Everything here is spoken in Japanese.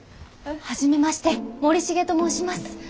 初めまして森重と申します。